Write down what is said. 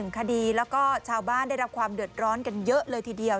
คดีแล้วก็ชาวบ้านได้รับความเดือดร้อนกันเยอะเลยทีเดียว